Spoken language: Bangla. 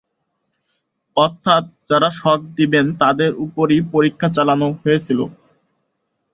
অর্থাৎ যারা শক দিবেন তাদের উপরই পরীক্ষা চালানো হয়েছিল।